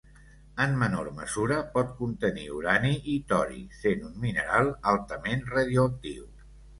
En menor mesura pot contenir urani i tori, sent un mineral altament radioactiu.